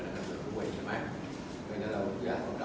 ไม่สงส้อนเป็นแม่ใช่มั้ยคะ